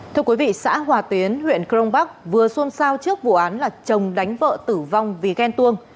thưa quý vị xã hòa tuyến huyện crong bắc vừa xuân sao trước vụ án là chồng đánh vợ tử vong vì ghen tuông